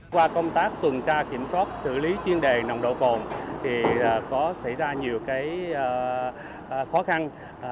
qua công tác tuần tra kiểm soát xử lý chuyên đề nồng độ cồn có xảy ra nhiều khó khăn